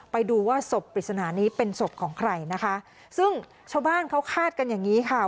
ไปดูว่าศพปริศนานี้เป็นศพของใครนะคะซึ่งชาวบ้านเขาคาดกันอย่างงี้ค่ะ